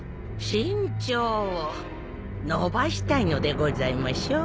身長を伸ばしたいのでございましょう？